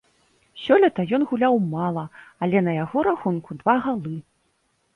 Сёлета ён гуляў мала, але на яго рахунку два галы.